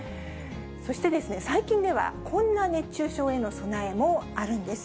そして、最近ではこんな熱中症への備えもあるんです。